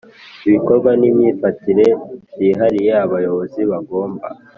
Ibikorwa n imyifatire byihariye abayobozi bagomba